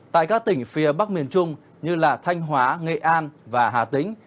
tại các tỉnh phía bắc miền trung như thanh hóa nghệ an và hà tĩnh